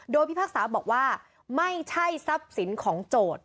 โดยพิพากษาบอกว่าไม่ใช่ทรัพย์สินของโจทย์